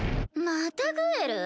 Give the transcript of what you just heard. またグエル？